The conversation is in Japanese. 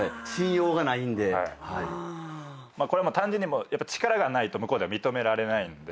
これは単純に力がないと向こうでは認められないんで。